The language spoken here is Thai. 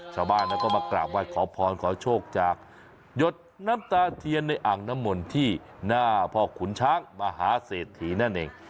ชาวบ้านก็มากราบไหว้ขอพรขอโชคจากหยดน้ำตาเทียนในอ่างน้ำมนที่หน้าพ่อขุนช้างมหาเศรษฐีนั่นเอง